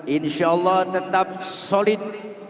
insya allah tetap solid